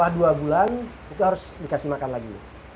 setelah dua bulan itu harus dikasih makan lagi